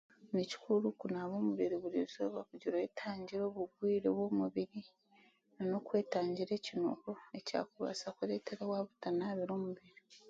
Nikikuru kunaaba omubiri buri eizooba kugira oyetangire obugwire bw'omubiri n'okwetangira ekinuuko ekyakubaasa kureeta waaba otanaabire omubiri.